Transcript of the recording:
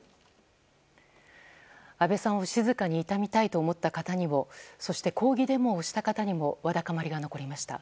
安倍さんを静かに悼みたいと思った方にもそして抗議デモをした方にもわだかまりが残りました。